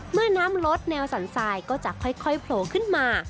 เมื่อน้ำลดแนวสันทรายก็จะค่อยโผล่ขึ้นมา